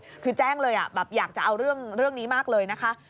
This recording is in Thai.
จังหวัดเทียงใหม่คือแจ้งเลยอ่ะแบบอยากจะเอาเรื่องเรื่องนี้มากเลยนะคะ